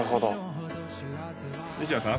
西田さん